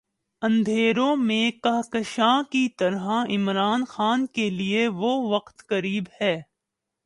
اندھیروں میں کہکشاں کی طرح عمران خان کے لیے وہ وقت قریب ہے۔